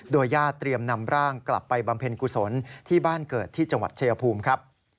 ญาติเตรียมนำร่างกลับไปบำเพ็ญกุศลที่บ้านเกิดที่จังหวัดชายภูมิครับ